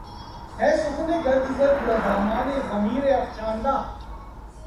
ہے سخن گرد ز دَامانِ ضمیر افشاندہ